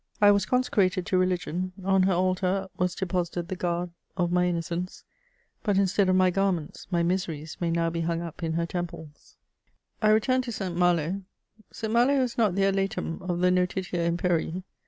I was consecrated to Religion ; on her altar was deposited the garb of my innocence ; but, instead of my garments, my miseries may now be hung up in her temples* I returned to St. Malo, St. Malo is not the Aletum of the Notitia imperii.